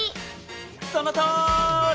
そのとおり！